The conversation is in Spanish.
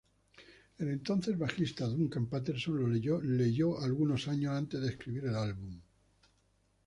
El entonces bajista Duncan Patterson lo leyó algunos años antes de escribir el álbum.